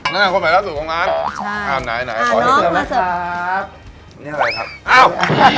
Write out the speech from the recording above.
พนักงานคนใหม่ล่าสุดของน้อยห้ามไหนขอให้เชื่อมั้ยครับนี่อะไรครับอ้าว